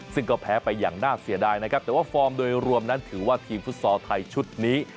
ซึ่งก็แพ้ไปอย่างน่าเสียดายนะครับแต่ว่าฟอร์มโดยรวมนั้นถือว่าทีมฟุตซอลไทยชุดนี้